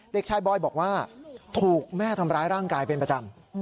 เด็กชายบอยบอกว่าถูกแม่ทำร้ายร่างกายเป็นประจำ